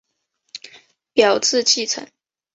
表字稷臣。